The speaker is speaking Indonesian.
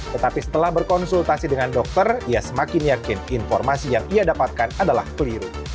tetapi setelah berkonsultasi dengan dokter ia semakin yakin informasi yang ia dapatkan adalah keliru